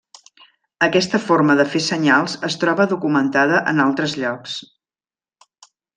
Aquesta forma de fer senyals es troba documentada en altres llocs.